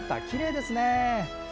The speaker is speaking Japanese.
きれいですね。